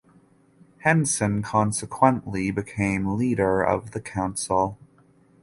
Henson consequently became leader of the council.